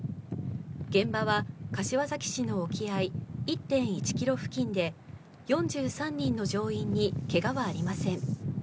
現場は柏崎市の沖合１．１キロ付近で、４３人の乗員にけがはありません。